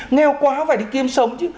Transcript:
nghèo quá phải đi kiếm sống chứ